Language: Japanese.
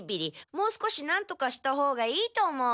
もう少しなんとかしたほうがいいと思う。